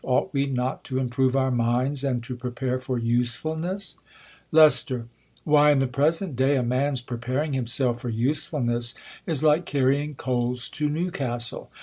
Ought we not to improve our minds, and to pre pare for usefulness ? Lest, Why, in the present da^, a man^s preparing himself for usefulness, is like carrying coals to New castle.